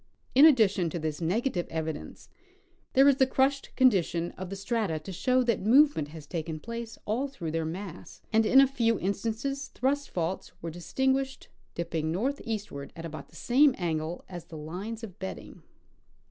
In addition to this nega tive evidence, there is the crushed condition of the strata to show that movement has taken place all through their mass ; and in a few instances thrust faults Avere distinguished, dipping north eastward at about the same angle as the lines of bedding.